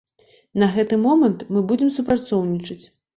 На гэты момант мы будзем супрацоўнічаць.